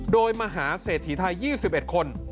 โดยมหาเศรษฐีไทย๒๑คน